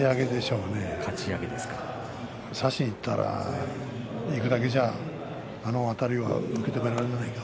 差しにいくだけじゃあのあたりは受け止められないよ。